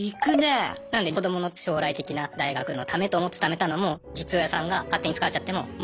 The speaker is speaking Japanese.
なので子どもの将来的な大学のためと思って貯めたのも実親さんが勝手に使っちゃっても問題なくなっちゃうというか。